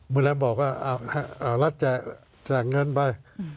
เมื่อนะบอกว่ารัฐแจกแสงเงินไป